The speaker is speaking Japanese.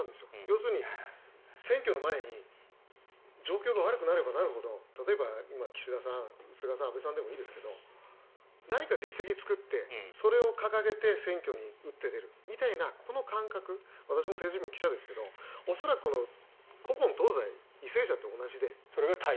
要するに選挙の前に状況が悪くなればなるほど例えば、岸田さん、菅さん安倍さんでもいいですが何か実績を作ってそれを掲げて選挙に打って出るみたいなこの感覚私も政治部の記者ですが恐らく古今東西、為政者って同じで。